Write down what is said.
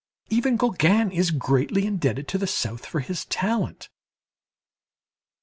Even Gauguin is greatly indebted to the South for his talent.